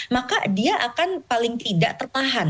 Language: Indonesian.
maka dia akan paling tidak tertahan